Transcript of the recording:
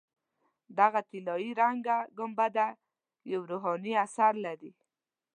دغه طلایي رنګه ګنبده یو روحاني اثر لري.